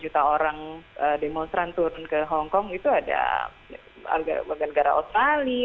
dua puluh juta orang demonstran turun ke hongkong itu ada warga negara australia